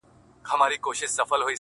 چي مرگى سته ښادي نسته.